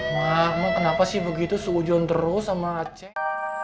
mak emang kenapa sih begitu seujun terus sama aceng